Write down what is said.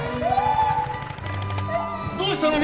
どうしたの？